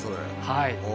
はい。